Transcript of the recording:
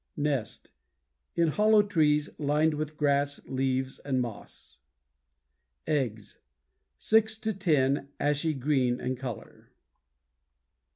NEST In hollow trees, lined with grass, leaves, and moss. EGGS Six to ten, ashy green in color.